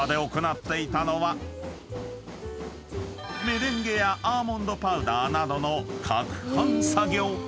［メレンゲやアーモンドパウダーなどの攪拌作業］